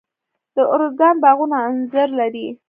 د ارزګان باغونه انځر لري.